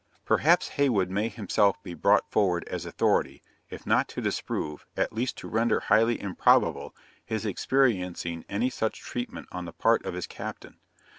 Perhaps Heywood may himself be brought forward as authority, if not to disprove, at least to render highly improbable, his experiencing any such treatment on the part of his captain.